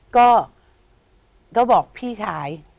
ก็บอกพี่ชาย